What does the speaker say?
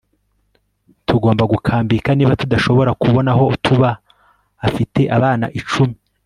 tugomba gukambika niba tudashobora kubona aho tuba.afite abana icumi